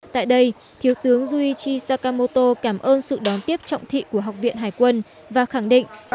tại đây thiếu tướng juichi sakamoto cảm ơn sự đón tiếp trọng thị của học viện hải quân và khẳng định